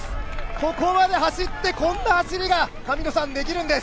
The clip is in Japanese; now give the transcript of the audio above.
ここまで走ってこんな走りができるんです。